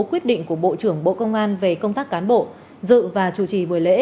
quyết định của bộ trưởng bộ công an về công tác cán bộ dự và chủ trì buổi lễ